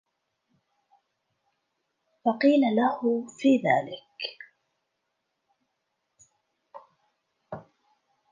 فَقِيلَ لَهُ فِي ذَلِكَ